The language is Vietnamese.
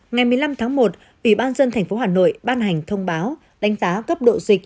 ngày một mươi năm tháng một ủy ban dân thành phố hà nội ban hành thông báo đánh giá cấp độ dịch